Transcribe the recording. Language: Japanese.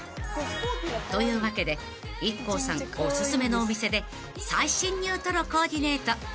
［というわけでＩＫＫＯさんおすすめのお店で最新ニュートロコーディネート］